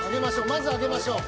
まず上げましょう。